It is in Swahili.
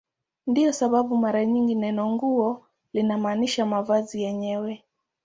Ndiyo sababu mara nyingi neno "nguo" linamaanisha mavazi yenyewe.